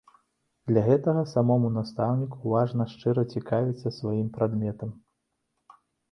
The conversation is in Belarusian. Для гэтага самому настаўніку важна шчыра цікавіцца сваім прадметам.